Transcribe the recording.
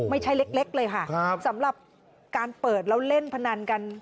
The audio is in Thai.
ไม่ใช่เล็กเลยค่ะสำหรับการเปิดแล้วเล่นพนันกัน